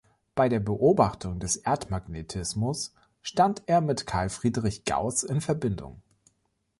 Bei der Beobachtung des Erdmagnetismus stand er mit Carl Friedrich Gauß in Verbindung.